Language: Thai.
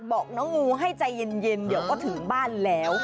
บอกน้องงูให้ใจเย็นเดี๋ยวก็ถึงบ้านแล้ว